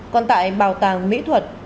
còn tại bảo tàng mỹ thuật